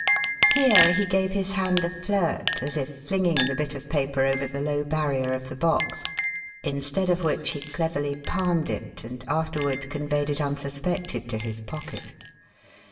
Here he gave his hand a flirt as if flinging the bit of paper over the low barrier of the box, instead of which he cleverly "palmed" it and afterward conveyed it unsuspected to his pocket.